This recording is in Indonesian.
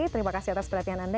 terima kasih atas perhatian anda